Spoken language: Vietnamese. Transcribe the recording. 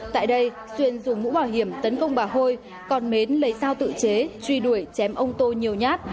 tại đây xuyên dùng mũ bảo hiểm tấn công bà hôi còn mến lấy sao tự chế truy đuổi chém ông tô nhiều nhát